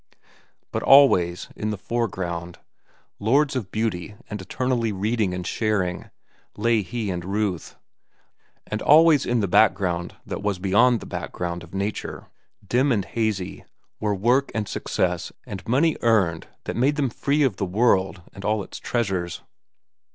But always, in the foreground, lords of beauty and eternally reading and sharing, lay he and Ruth, and always in the background that was beyond the background of nature, dim and hazy, were work and success and money earned that made them free of the world and all its treasures.